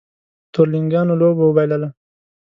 تورلېنګانو لوبه وبایلله